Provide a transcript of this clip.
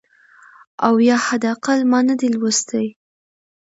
او یا حد اقل ما نه دی لوستی .